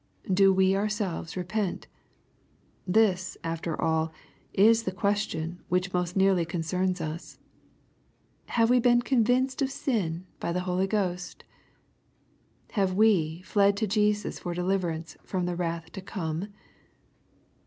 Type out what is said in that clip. Do we ourselves repent ? This, after all, is the ques tion which most nearly concerns us. Have we been convinced of sin by the Holy Ghost ? Have we fled to Jesus for deliverance from the wrath to come